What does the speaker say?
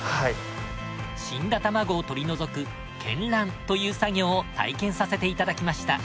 死んだ卵を取り除く検卵という作業を体験させていただきました。